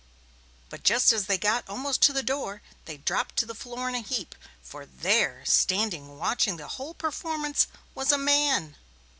But just as they got almost to the door, they dropped to the floor in a heap, for there, standing watching the whole performance, was a man.